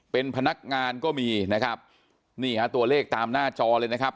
เป็นพนักงานก็มีนะครับนี่ฮะตัวเลขตามหน้าจอเลยนะครับ